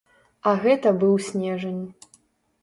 А гэта быў снежань.